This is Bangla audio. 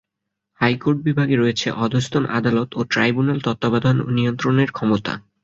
হাইকোর্ট বিভাগে রয়েছে অধস্তন আদালত ও ট্রাইব্যুনাল তত্ত্বাবধান ও নিয়ন্ত্রণের ক্ষমতা।